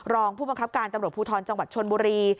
รองผู้บังคับการตำรวจภูทรจังหวัดชนบุรี